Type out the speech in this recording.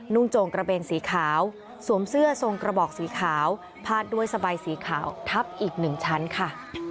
โจงกระเบนสีขาวสวมเสื้อทรงกระบอกสีขาวพาดด้วยสบายสีขาวทับอีกหนึ่งชั้นค่ะ